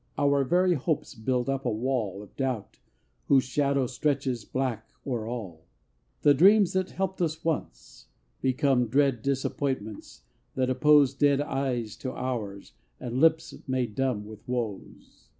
Our very hopes build up a wall Of doubt, whose shadow stretches black O'er all. The dreams, that helped us once, become Dread disappointments, that oppose Dead eyes to ours, and lips made dumb With woes.